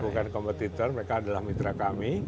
bukan kompetitor mereka adalah mitra kami